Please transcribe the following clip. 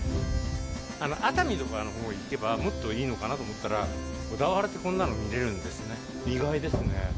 熱海とかのほうに行けば、もっといいのかなと思ったら、小田原ってこんなのが見れるんですね。